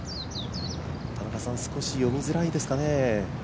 少し読みづらいですかね。